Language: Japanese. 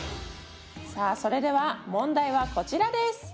さあそれでは問題はこちらです。